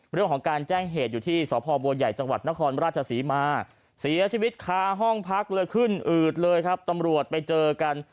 เรื่องของการแจ้งเหตุอยู่ที่สพบัวใหญ่จังหวัดนครราชศรีมาเสียชีวิตคาห้องพักเลยขึ้นอืดเลยครับตำรวจไปเจอกัน